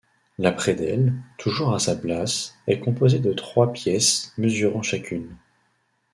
La prédelle, toujours à sa place, est composée de trois pièces mesurant chacune.